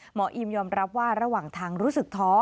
อีมยอมรับว่าระหว่างทางรู้สึกท้อ